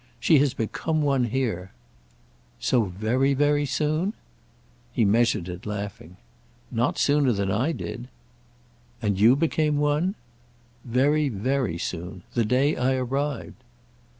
"She has become one here." "So very very soon?" He measured it, laughing. "Not sooner than I did." "And you became one—?" "Very very soon. The day I arrived."